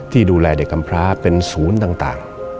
ที่ดูแลเด็กกำพร้าเป็นศูนย์ต่าง